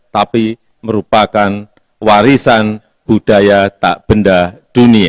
tapi merupakan warisan budaya tak benda dunia